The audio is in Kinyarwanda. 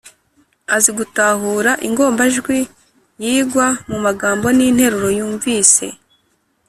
azi gutahura ingomajwi yigwa mu magambo n’interuro yumvise;